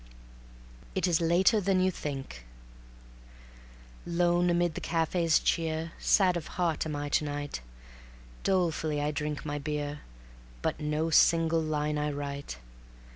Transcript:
It Is Later Than You Think Lone amid the cafe's cheer, Sad of heart am I to night; Dolefully I drink my beer, But no single line I write.